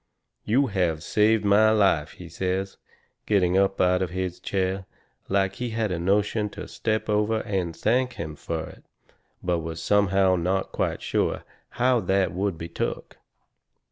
"You have saved my life," he says, getting up out of his chair, like he had a notion to step over and thank him fur it, but was somehow not quite sure how that would be took.